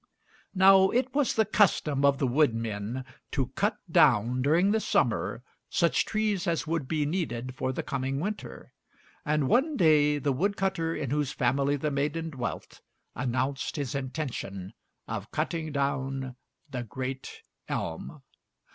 Now it was the custom of the wood men to cut down, during the summer, such trees as would be needed for the coming winter, and one day the wood cutter in whose family the maiden dwelt announced his intention of cutting down the great elm.